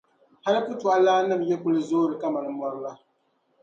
Hal putɔɣulaannim’ yi kul zoori kaman mɔri la.